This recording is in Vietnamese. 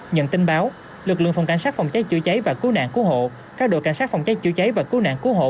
nhận tin báo lực lượng phòng cảnh sát phòng cháy chữa cháy và cứu nạn cứu hộ các đội cảnh sát phòng cháy chữa cháy và cứu nạn cứu hộ